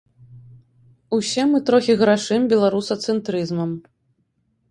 Усе мы трохі грашым беларусацэнтрызмам.